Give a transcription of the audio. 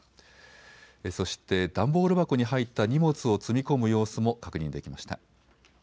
そして段ボール箱に入った荷物を積み込む様子も確認できました。